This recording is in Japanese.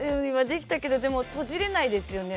できたけど閉じれないですよね。